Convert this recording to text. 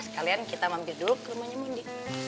sekalian kita mampir dulu ke rumahnya mandi